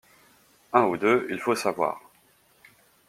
Un ou deux il faut savoir.